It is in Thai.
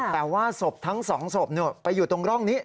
แต่ว่าสบทั้งสองสบเนี่ยไปอยู่ตรงร่องนี้